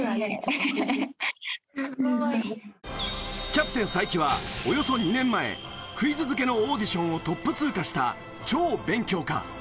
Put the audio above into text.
キャプテン才木はおよそ２年前クイズ漬けのオーディションをトップ通過した超勉強家！